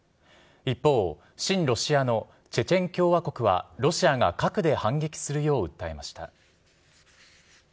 一方、親ロシアのチェチェン共和国は、ロシアが核で反撃するよう訴えました。